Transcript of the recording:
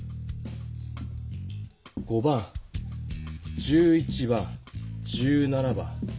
５番１１番１７番。